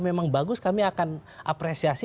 memang bagus kami akan apresiasi